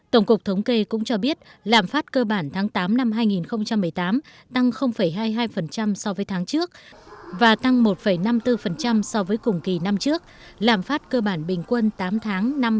tổng cục thống kê cũng cho biết lạm phát cơ bản tháng tám năm hai nghìn một mươi tám tăng hai mươi hai so với tháng trước và tăng một năm mươi bốn so với cùng kỳ năm trước lạm phát cơ bản bình quân tám tháng năm năm hai nghìn một mươi tám